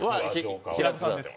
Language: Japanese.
平子さんです。